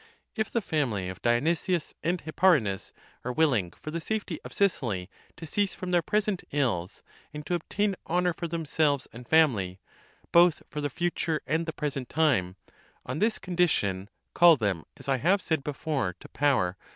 If the family of Dionysius and Hipparinus are willing for the safety of Sicily to cease from their present ills, and to obtain honour for themselves and family, both for the future and the present time, on this condition, call them as I have said before, (to power